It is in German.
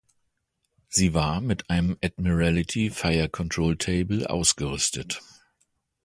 Sie war mit einem Admiralty Fire Control Table ausgerüstet.